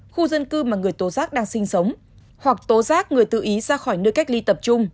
khu dân cư mà người tố rác đang sinh sống hoặc tố giác người tự ý ra khỏi nơi cách ly tập trung